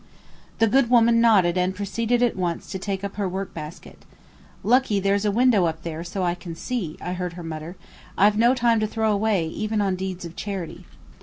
The good woman nodded and proceeded at once to take up her work basket. "Lucky there's a window up there, so I can see," I heard her mutter. "I've no time to throw away even on deeds of charity."